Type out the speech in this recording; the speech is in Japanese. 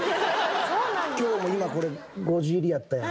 今日も今これ５時入りやったやん。